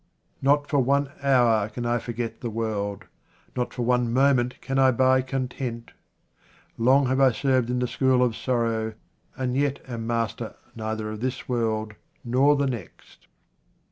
Not for one hour can 1 forget the world, not for one moment can I buy content. Long have I served in the school of sorrow, and yet am master neither of this world nor the next.